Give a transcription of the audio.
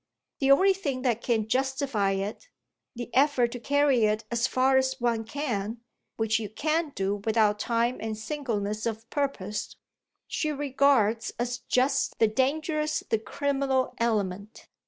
The only thing that can justify it, the effort to carry it as far as one can (which you can't do without time and singleness of purpose), she regards as just the dangerous, the criminal element.